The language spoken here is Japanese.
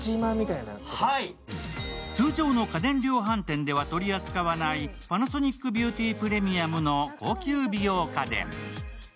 通常の家電量販店では取り扱わないパナソニック・ビューティー・プレミアムの高級美容家電。